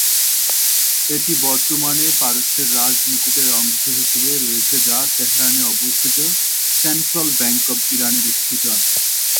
এটি বর্তমানে পারস্যের রাজ মুকুটের অংশ হিসেবে রয়েছে যা তেহরানে অবস্থিত সেন্ট্রাল ব্যাংক অফ ইরানে রক্ষিত আছে।